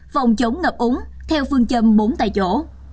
phòng chống ngập úng theo phương châm bốn tại chỗ